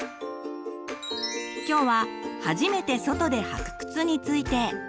今日は初めて外で履く靴について。